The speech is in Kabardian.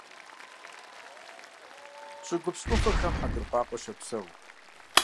ЩӀыгупс Ӏуфэхэм хъэндыркъуакъуэ щопсэу.